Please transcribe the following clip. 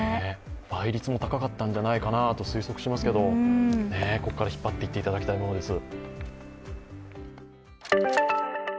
倍率も高かったんじゃないかなと推測しますけどここから引っ張っていっていただきたいものです。